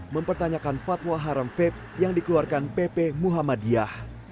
mempertanyakan fatwa haram veb yang dikeluarkan pp muhammadiyah